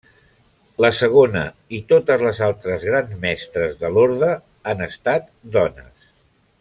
La segona, i totes les altres grans mestres de l'orde, han estat dones.